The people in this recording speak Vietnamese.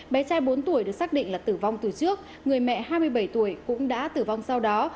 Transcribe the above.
bé trai bốn tuổi được xác định là tử vong từ trước người mẹ hai mươi bảy tuổi cũng đã tử vong sau đó